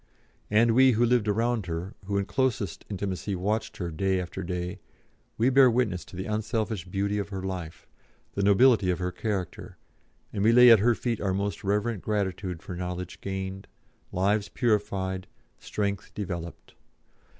And we, who lived around her, who in closest intimacy watched her day after day, we bear witness to the unselfish beauty of her life, the nobility of her character, and we lay at her feet our most reverent gratitude for knowledge gained, lives purified, strength developed.